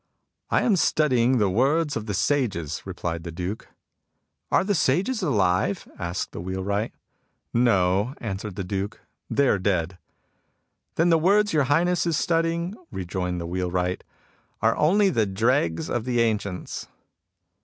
" I am studying the words of the Sages," replied the Duke. " Are the Sages alive ?•' asked the wheel wright. " No," answered the Duke ;" they are dead." " Then the words your Highness is studying," rejoined the wheelwright, " are only the dregs of the ancients."